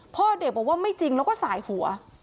พ่อเด็กบอกว่าไม่จริงแล้วก็สายหัว